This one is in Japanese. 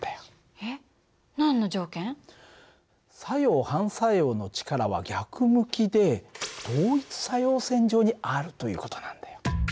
えっ何の条件？作用・反作用の力は逆向きで同一作用線上にあるという事なんだよ。